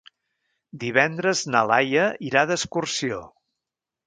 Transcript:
Divendres na Laia irà d'excursió.